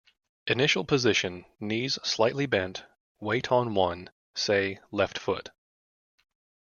Initial position: knees slightly bent, weight on one, say, left foot.